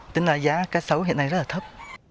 tính ra giá cá sấu hiện nay rất là thấp